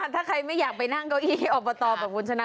ถ้าใครไม่อยากไปนั่งเก้าอี้อบตแบบคุณชนะ